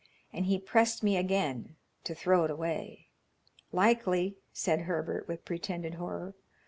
And he pressed me again to throw it away." "Likely," said Herbert, with pretended horror.